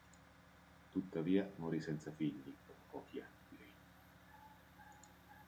Tuttavia morì senza figli dopo pochi anni di regno.